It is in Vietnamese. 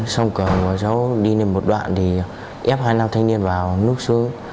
xong cường bỏ cháu đi lên một đoạn thì ép hai nam thanh niên vào núp xuống